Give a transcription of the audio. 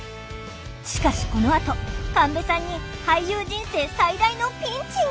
しかしこのあと神戸さんに俳優人生最大のピンチが！